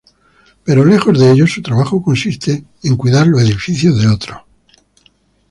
Pero, lejos de ello, su trabajo consiste en cuidar los edificios de otros.